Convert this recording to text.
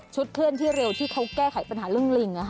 เคลื่อนที่เร็วที่เขาแก้ไขปัญหาเรื่องลิง